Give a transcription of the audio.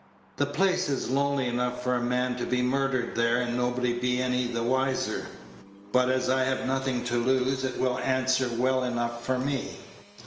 The place is lonely enough for a man to be murdered there and nobody be any the wiser; but, as I have nothing to lose, it will answer well enough for me."